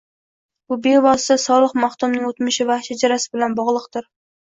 bu bevosita Solih maxdumning o’tmishi va shajarasi bilan bog’liqdir.